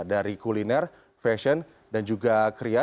dari kuliner fashion dan juga kria